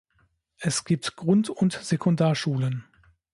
Es gibt Grund- und Sekundarschulen.